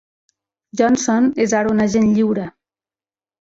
Johnson és ara un agent lliure.